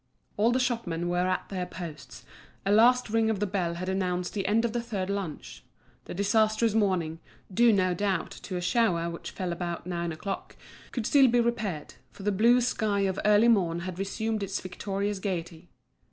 All the shopmen were at their posts, a last ring of the bell had announced the end of the third lunch; the disastrous morning, due no doubt to a shower which fell about nine o'clock, could still be repaired, for the blue sky of early morn had resumed its victorious gaiety.